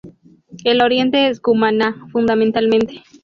El oriente es Cumaná fundamentalmente.